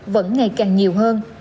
vẫn ngày càng nhiều hơn